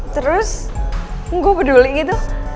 terus gue peduli gitu